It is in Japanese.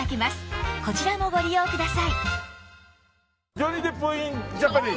ジョニー・デップインジャパニーズ。